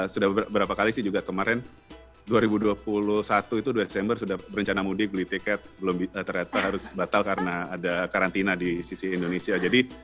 sudah beberapa kali sih juga kemarin dua ribu dua puluh satu itu dua desember sudah berencana mudik beli tiket belum ternyata harus batal karena ada karantina di sisi indonesia